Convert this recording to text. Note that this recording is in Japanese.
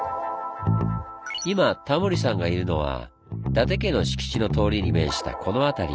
今タモリさんがいるのは伊達家の敷地の通りに面したこの辺り。